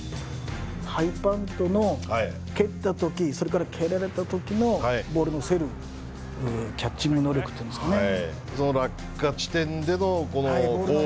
ハイパントの蹴ったときそれから蹴られたときのボールの競るキャッチング能力というんですかね。